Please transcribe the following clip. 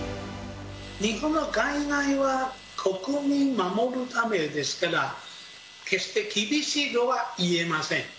日本のガイドラインは、国民守るためですから、決して厳しいとはいえません。